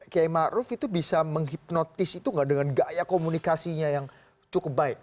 kay ma'ruf itu bisa menghipnotis itu gak dengan gaya komunikasinya yang cukup baik